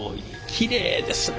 きれいですね